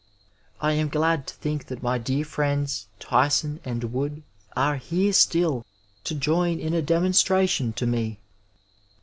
I am glad to think that my dear friends Tyson and Wood are here still to join in a demonstration to me.